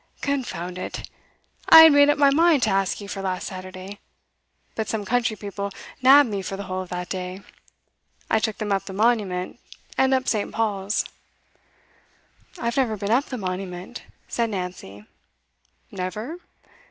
'Confound it! I had made up my mind to ask you for last Saturday, but some country people nabbed me for the whole of that day. I took them up the Monument, and up St Paul's.' 'I've never been up the Monument,' said Nancy. 'Never?